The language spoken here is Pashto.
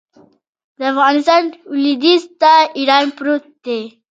د افغانستان لویدیځ ته ایران پروت دی